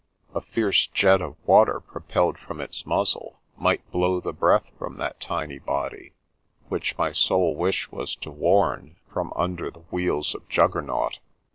A fierce jet of water propelled from its muzzle might blow the breath from that tiny body, which my sole wish was to warn from under the wheels of Juggernaut.